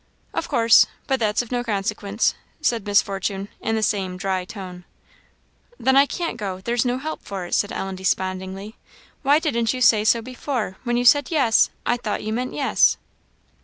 "Of course but that's of no consequence," said Miss Fortune, in the same dry tone. "Then I can't go there's no help for it," said Ellen despondingly. "Why didn't you say so before? When you said yes, I thought you meant yes."